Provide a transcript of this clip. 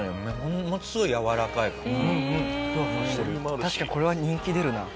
確かにこれは人気出るな。